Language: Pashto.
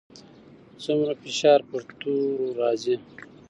څومره فشار پر تورو راځي؟